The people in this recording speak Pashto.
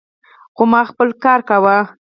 خو ما به خپل کار کاوه.